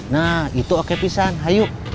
nah itu oke pisan hayuk